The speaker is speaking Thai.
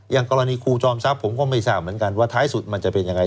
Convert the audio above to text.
อย่างกรณีครูจอมทรัพย์ผมก็ไม่ทราบเหมือนกันว่าท้ายสุดมันจะเป็นยังไง